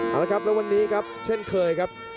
เอาละครับแล้ววันนี้ครับเช่นเคยครับ